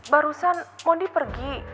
barusan mondi pergi